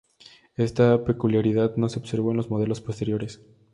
Esta peculiaridad no se observó en los modelos posteriores.